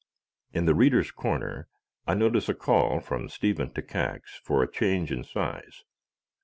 In the "Readers' Corner" I notice a call from Stephen Takacs for a change in size.